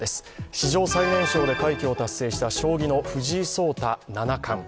史上最年少で快挙を達成した将棋の藤井聡太七冠。